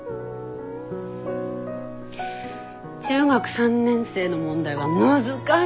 中学３年生の問題は難しい！